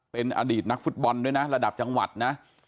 เป็นอดีตนักฟุตบอลด้วยนะระดับจังหวัดนะ